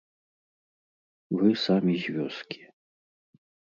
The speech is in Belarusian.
Вы самі з вёскі.